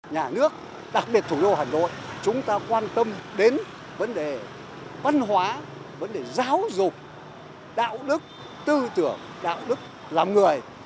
nhà nước đặc biệt thủ đô hà nội chúng ta quan tâm đến vấn đề văn hóa vấn đề giáo dục đạo đức tư tưởng đạo đức làm người